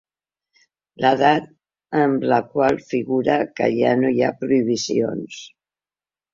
L'edat en la qual figura que ja no hi ha prohibicions.